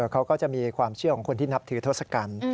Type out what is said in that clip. เขาก็จะมีความเชื่อของคนที่นับถือทศกัณฐ์